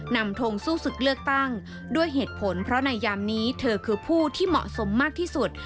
ทงสู้ศึกเลือกตั้งด้วยเหตุผลเพราะในยามนี้เธอคือผู้ที่เหมาะสมมากที่สุด